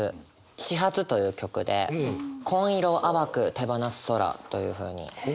「始発」という曲で「紺色を淡く手放す空」というふうに書いて。